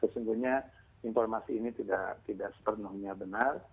sesungguhnya informasi ini tidak sepenuhnya benar